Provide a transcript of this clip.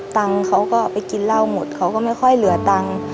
ตังค์เขาก็ไปกินเหล้าหมดเขาก็ไม่ค่อยเหลือตังค์